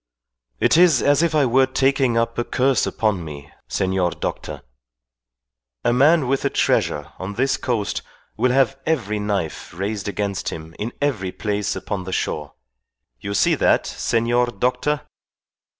"It is as if I were taking up a curse upon me, senor doctor. A man with a treasure on this coast will have every knife raised against him in every place upon the shore. You see that, senor doctor?